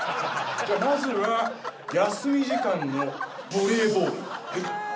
じゃまずは休み時間のバレーボール。